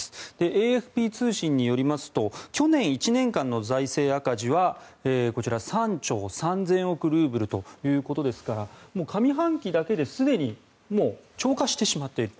ＡＦＰ通信によりますと去年１年間の財政赤字はこちら、３兆３０００億ルーブルということですからもう上半期だけですでに超過してしまっている。